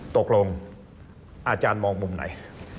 ตกลงอาจารย์มองมุมไหน